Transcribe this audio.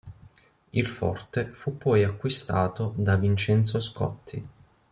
Il forte fu poi acquistato da Vincenzo Scotti.